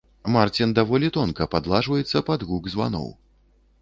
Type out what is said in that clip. Марцін даволі тонка падладжваецца пад гук званоў.